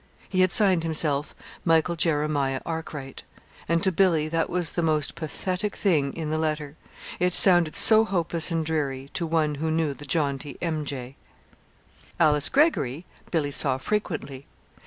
He had signed himself "Michael Jeremiah Arkwright"; and to Billy that was the most pathetic thing in the letter it sounded so hopeless and dreary to one who knew the jaunty "M. J." Alice Greggory, Billy saw frequently.